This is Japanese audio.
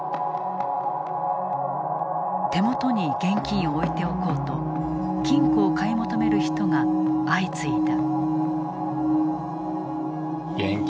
手元に現金を置いておこうと金庫を買い求める人が相次いだ。